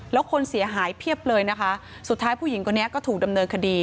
แล้วคนเสียหายเพียบเลยนะคะสุดท้ายผู้หญิงคนนี้ก็ถูกดำเนินคดี